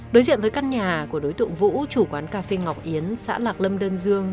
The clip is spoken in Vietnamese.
đối diện với căn nhà của đối tượng vũ chủ quán cà phê ngọc yến xã lạc lâm đơn dương